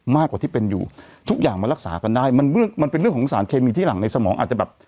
มากกว่าที่เป็นอยู่ทุกอย่างมารักษากันได้มันเรื่องมันเป็นเรื่องของสารเคมีที่หลังในสมองอาจจะแบบ